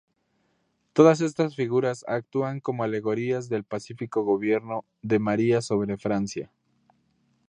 Todas estas figuras actúan como alegorías del pacífico gobierno de María sobre Francia.